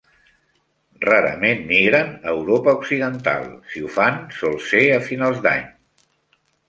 Rarament migren a Europa occidental; si ho fan sol ser a finals d'any.